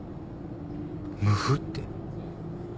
ムフって。